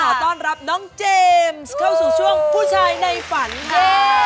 ต้อนรับน้องเจมส์เข้าสู่ช่วงผู้ชายในฝันค่ะ